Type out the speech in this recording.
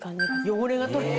汚れが取れ？